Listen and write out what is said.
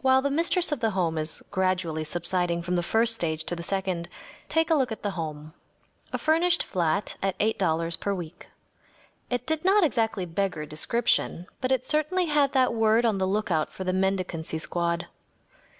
While the mistress of the home is gradually subsiding from the first stage to the second, take a look at the home. A furnished flat at $8 per week. It did not exactly beggar description, but it certainly had that word on the lookout for the mendicancy squad.